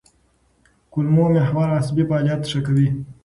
کولمو محور عصبي فعالیت ښه کوي.